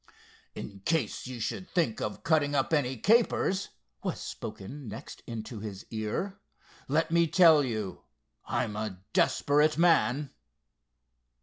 "In case you should think of cutting up any capers," was spoken next into his ear, "let me tell you I am a desperate man."